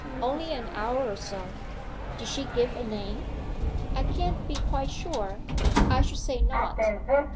"Only an hour or so." "Did she give a name?" "I can't be quite sure I should say not."